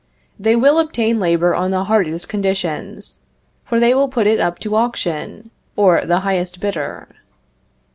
They will obtain labor on the hardest conditions, for they will put it up to auction, or the highest bidder.